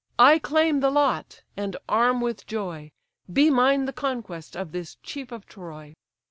I claim the lot, and arm with joy; Be mine the conquest of this chief of Troy.